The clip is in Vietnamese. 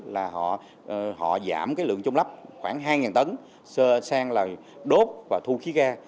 là họ giảm cái lượng chung lắp khoảng hai tấn sang là đốt và thu khí ga